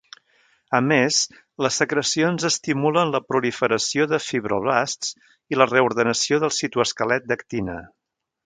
A més, les secrecions estimulen la proliferació de fibroblasts i la reordenació del citoesquelet d'actina.